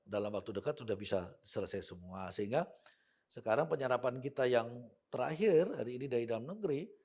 dalam waktu dekat sudah bisa selesai semua sehingga sekarang penyerapan kita yang terakhir hari ini dari dalam negeri